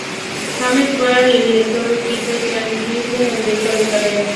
James Barclay es el director del equipo y Craig Wilson el director de carreras.